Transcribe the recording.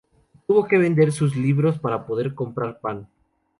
Tuvo que vender sus libros para poder comprar pan.